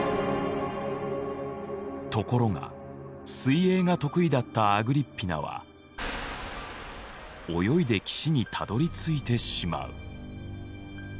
ところが水泳が得意だったアグリッピナは泳いで岸にたどりついてしまう。